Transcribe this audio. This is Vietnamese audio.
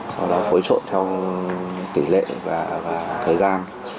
sau đó phối trộn theo tỷ lệ và thời gian